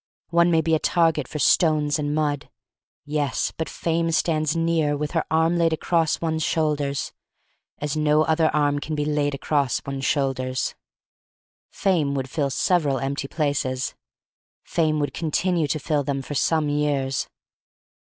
One may be a target for stones and mud. Yes — but Fame stands near with her arm laid across one's shoulders — as no other arm can be laid across one's shoulders. Fame would fill several empty places. Fame would continue to fill them for some years.